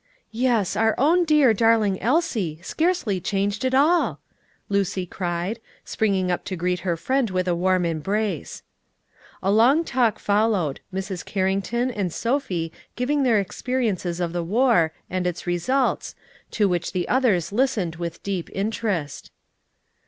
"Yes, our own dear, darling Elsie, scarcely changed at all!" Lucy cried, springing up to greet her friend with a warm embrace. A long talk followed, Mrs. Carrington and Sophie giving their experiences of the war and its results, to which the others listened with deep interest.